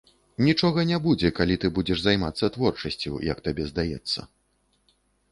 Нічога не будзе, калі ты будзеш займацца творчасцю, як табе здаецца.